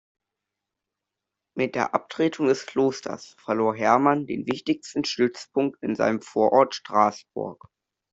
Mit der Abtretung des Klosters verlor Hermann den wichtigsten Stützpunkt in seinem Vorort Straßburg.